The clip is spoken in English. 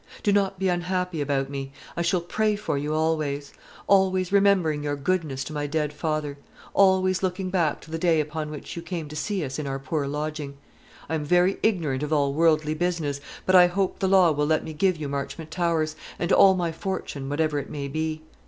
Do not be unhappy about me. I shall pray for you always, always remembering your goodness to my dead father; always looking back to the day upon which you came to see us in our poor lodging. I am very ignorant of all worldly business, but I hope the law will let me give you Marchmont Towers, and all my fortune, whatever it may be.